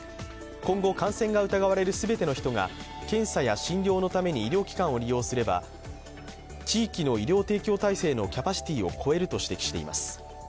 今後、感染が疑われる全ての人が検査や診療のために医療機関を利用すれば、地域の医療提供体制のキャパシティーを超えると指摘しています。